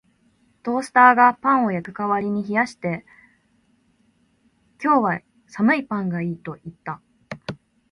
トースターがパンを焼く代わりに冷やして、「今日は寒いパンがいい」と言った